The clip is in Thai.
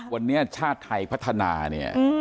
วันนี้ชาติไทยพัฒนาเนี่ย